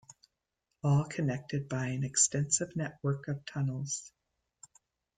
All connected by an extensive network of Tunnels.